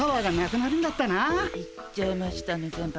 言っちゃいましたね先輩。